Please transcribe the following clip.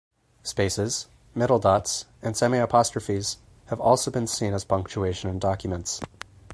Spaces, middle dots, and semi-apostrophes have also been seen as punctuation in documents.